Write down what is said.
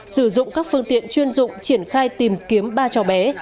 sử dụng các phương tiện chuyên dụng triển khai tìm kiếm ba cháu bé